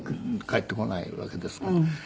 帰ってこないわけですから。